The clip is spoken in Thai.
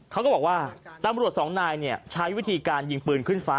เขาก็บอกว่าตำรวจสองนายใช้วิธีการยิงปืนขึ้นฟ้า